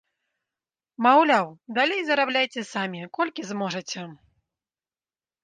Маўляў, далей зарабляйце самі, колькі зможаце.